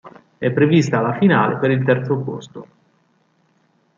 È prevista la finale per il terzo posto.